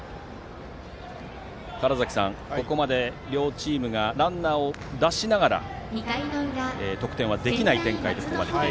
川原崎さん、ここまで両チームがランナーを出しながら得点はできない展開です。